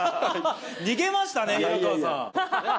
逃げましたね、平川さん。